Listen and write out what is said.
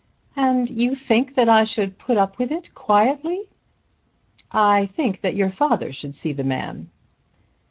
"And you think that I should put up with it quietly!" "I think that your father should see the man."